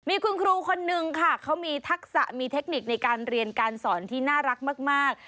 มีคุณครูคนนึงค่ะเขามีทักษะมีเทคนิคในการเรียนการสอนที่น่ารักมาก